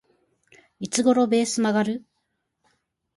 いつ頃ベース曲がる？